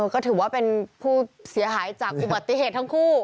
ก็ถือว่าเป็นผู้เสียหายจากอุบัติเหตุทั้งคู่